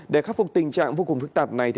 để khắc phục tình trạng vô cùng phức tạp này